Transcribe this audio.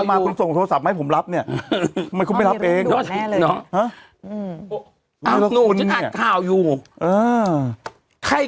พ่อโทรมาส่งโทรศัพท์มาให้ผมรับเนี้ยมายควรไม่รับเองอ่า